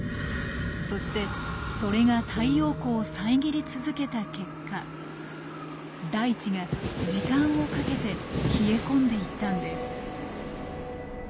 そしてそれが太陽光を遮り続けた結果大地が時間をかけて冷え込んでいったんです。